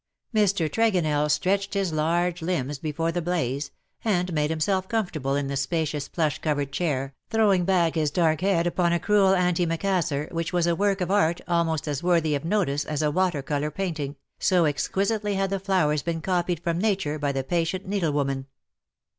58 *^LOVE WILL HAVE HIS DAY." Mr.Tregonell stretched his large limbs before the blaze^ and made himself comfortable in the spacious plush covered chair_, throwing back his dark head upon a crewe] anti macassar, which was a work of art almost as worthy of notice as a water colour painting, so exquisitely had the flowers been copied from Nature by the patient needlewoman.